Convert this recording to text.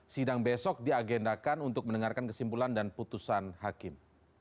sidang besok diagendakan untuk mendengarkan kesimpulan dan putusan hakim